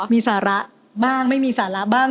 มีสาระบ้างไม่มีสาระบ้าง